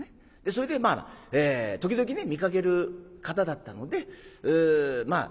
それでまあ時々ね見かける方だったのでまあ